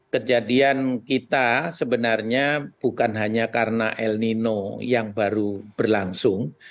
kejadian kita sebenarnya bukan hanya karena el nino yang baru berlangsung